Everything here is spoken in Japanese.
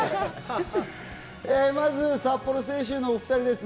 まず札幌静修のお２人ですね。